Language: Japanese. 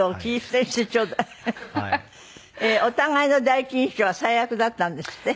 お互いの第一印象は最悪だったんですって？